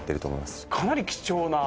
かなり貴重な。